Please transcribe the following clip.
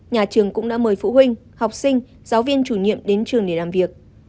nhà trường cũng đã mời phụ huynh học sinh giáo viên chủ nhiệm đến trường để làm việc